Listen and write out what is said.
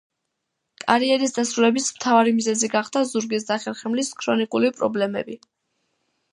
კარიერის დასრულების მთავარი მიზეზი გახდა ზურგის და ხერხემლის ქრონიკული პრობლემები.